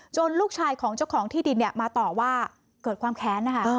ลูกชายของเจ้าของที่ดินมาต่อว่าเกิดความแค้นนะคะ